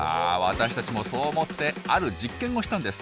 私たちもそう思ってある実験をしたんです。